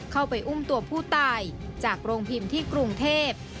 เข้าไปอุ้มตัวผู้ตายจากโรงพิมพ์ที่กรุงเทพ